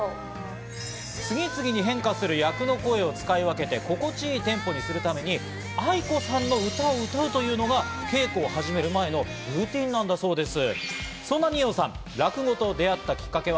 次々に変化する役の声を使い分けて心地いいテンポにするためにａｉｋｏさんの歌を歌うというのが稽古を始める前のルーティンなんだそうです。